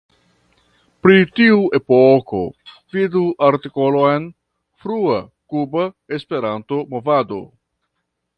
Pri tiu epoko vidu artikolon Frua Kuba Esperanto-movado.